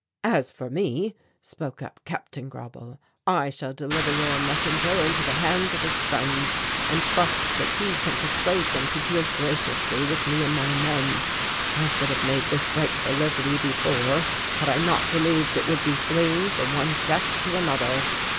"As for me," spoke up Captain Grauble, "I shall deliver your messenger into the hands of his friends, and trust that he can persuade them to deal graciously with me and my men. I should have made this break for liberty before had I not believed it would be fleeing from one death to another."